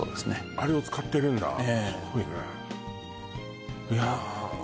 あれを使ってるんだすごいねええいや